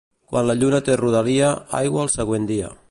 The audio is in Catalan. Quan la lluna té rodalia, aigua al següent dia.